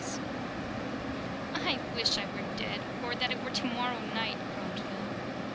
's "I wish I were dead, or that it were tomorrow night," groaned Phil.